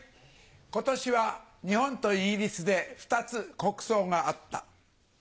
今年は日本とイギリスで２つ国葬があった。